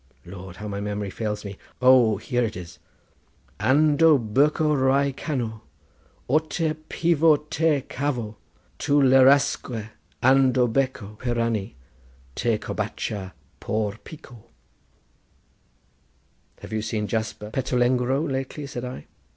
Lord, how my memory fails me. O, here it is:— "Ando berkho Rye canó Oteh pivò teh khavó.— Tu lerasque ando berkho piranee Teh corbatcha por pico." "Have you seen Jasper Petulengro lately?" said I.